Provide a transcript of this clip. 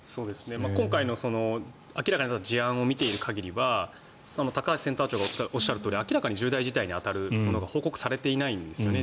今回の明らかになった事案を見ている限りは高橋センター長がおっしゃるとおり明らかに重大事態に当たることが報告されていないんですね。